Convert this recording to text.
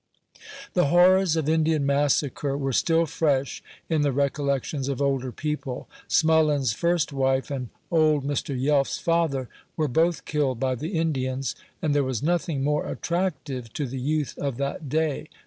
The horrors of Indian massacre were still fresh in the recollections of older people. Smullen's first wife and old Mr. Yelf's father were both killed by the Indians; and there was nothing more attractive to the youth of that day.